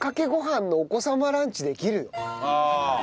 ああ！